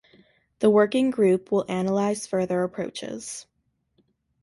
The working group will analyse further approaches.